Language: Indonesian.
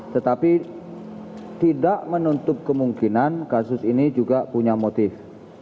tetapi tidak menutup kemungkinan kasus ini juga punya motif